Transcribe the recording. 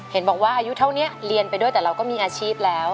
เห็นบอกว่าอายุเท่านี้เรียนไปด้วยแต่เราก็มีอาชีพแล้ว